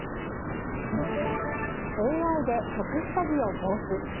ＡＩで特殊詐欺を防止。